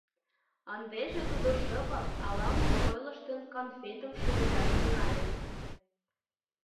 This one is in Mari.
Ындыже тудо шыпак, ала-мом ойлыштын, конфетыш шӱведаш тӱҥале.